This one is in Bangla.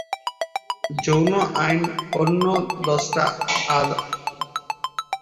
যৌন আইন আর অন্যান্য দশটি আদালতীয় আইনের চেয়ে আলাদা।